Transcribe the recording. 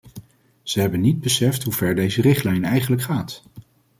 Ze hebben niet beseft hoe ver deze richtlijn eigenlijk gaat.